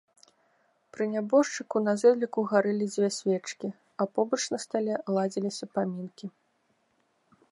Пры нябожчыку на зэдліку гарэлі дзве свечкі, а побач на стале ладзіліся памінкі.